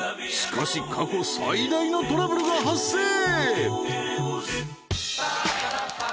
［しかし過去最大のトラブルが発生！］